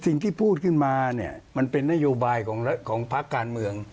สิ่งที่พูดขึ้นมาเนี่ยมันเป็นนโยบายของพักการเมือง